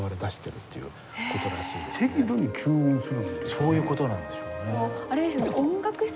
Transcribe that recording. そういう事なんでしょうね。